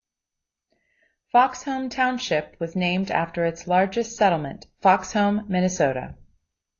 Foxhome Township was named after its largest settlement, Foxhome, Minnesota.